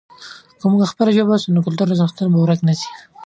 که موږ خپله ژبه وساتو، نو کلتوري ارزښتونه به ورک نه سي.